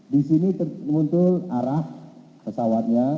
di sini muncul arah pesawatnya